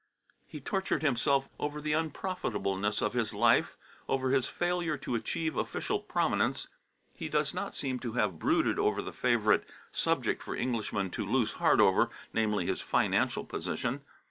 He tortured himself over the unprofitableness of his life, over his failure to achieve official prominence. He does not seem to have brooded over the favourite subject for Englishmen to lose heart over, namely, his financial position.